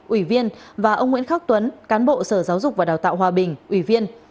ủy viên và ông nguyễn khắc tuấn cán bộ sở giáo dục và đào tạo hòa bình ủy viên